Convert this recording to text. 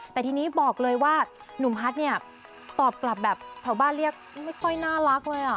แต่ทีนี้บอกเลยว่าหนุ่มฮัทเนี่ยตอบกลับแบบแถวบ้านเรียกไม่ค่อยน่ารักเลย